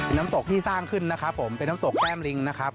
น้ำตกที่สร้างขึ้นนะครับผมเป็นน้ำตกแก้มลิงนะครับ